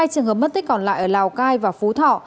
hai trường hợp mất tích còn lại ở lào cai và phú thọ